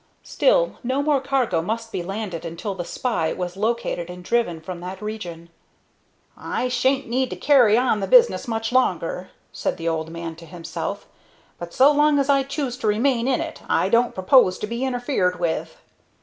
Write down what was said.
Still, no more cargo must be landed until the spy was located and driven from that region. "I sha'n't need to carry on the business much longer," said the old man to himself; "but so long as I choose to remain in it I don't propose to be interfered with."